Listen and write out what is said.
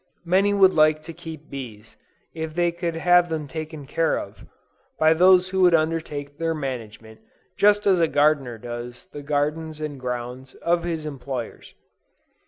Many would like to keep bees, if they could have them taken care of, by those who would undertake their management, just as a gardener does the gardens and grounds of his employers.